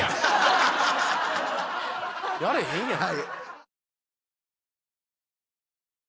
やれへんやん。